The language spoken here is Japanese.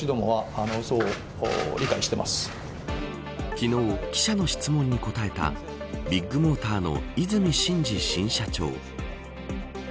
昨日記者の質問に答えたビッグモーターの和泉伸二新社長。